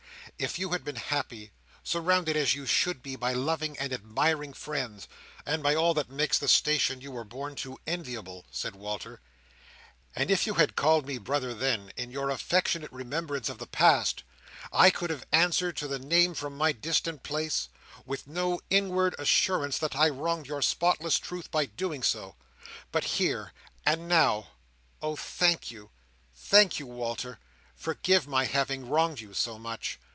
"If you had been happy; surrounded as you should be by loving and admiring friends, and by all that makes the station you were born to enviable," said Walter; "and if you had called me brother, then, in your affectionate remembrance of the past, I could have answered to the name from my distant place, with no inward assurance that I wronged your spotless truth by doing so. But here—and now!" "Oh thank you, thank you, Walter! Forgive my having wronged you so much.